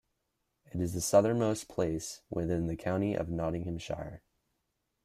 It is the southernmost place within the county of Nottinghamshire.